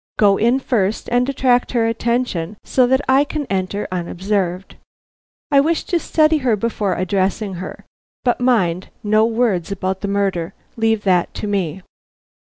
Go in first and attract her attention so that I can enter unobserved. I wish to study her before addressing her; but, mind, no words about the murder; leave that to me."